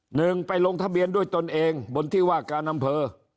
หนึ่งไปลงทะเบียนด้วยตนเองบนที่ว่าการอำเภอ